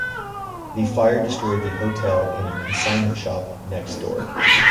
The fire destroyed the hotel and a consignment shop next door.